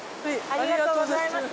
ありがとうございます。